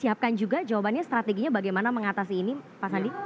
siapkan juga jawabannya strateginya bagaimana mengatasi ini pak sandi